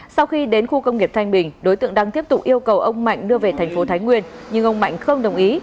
sau khi đến khu công nghiệp thanh bình đối tượng đang tiếp tục yêu cầu ông mạnh đưa về thành phố thái nguyên nhưng ông mạnh không đồng ý